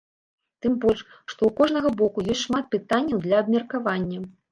Тым больш, што ў кожнага боку ёсць шмат пытанняў для абмеркавання.